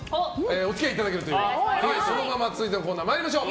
お付き合いいただけるということでそのまま続いてのコーナー参りましょう。